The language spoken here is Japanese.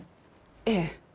ええ。